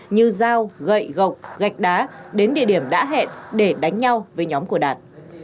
như dao gậy gộc gạch đá đến địa điểm đã hẹn để đánh nhau với nhóm của đạt